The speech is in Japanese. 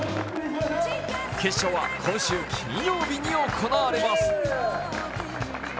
決勝は今週金曜日に行われます。